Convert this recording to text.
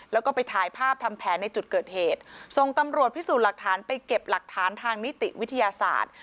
แล้วก็ไปถ่ายภาพทำแผนในจุดเกิดเหตุส่งตำรวจพิสูจน์หลักฐานไปเก็บหลักฐานทางนิติวิทยาศาสตร์